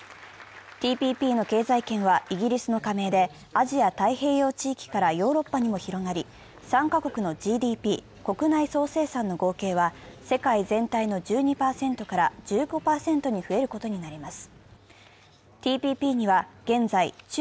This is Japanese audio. ＴＰＰの経済圏はイギリスの加盟でアジア太平洋地域からヨーロッパにも広がり、参加国のＧＤＰ＝国内総生産の合計は世界全体の１２％から１５％に増えることになります。